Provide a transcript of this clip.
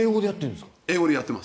英語でやってます。